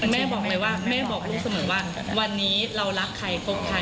แม่บอกเลยว่าแม่บอกลูกเสมอว่าวันนี้เรารักใครคบใคร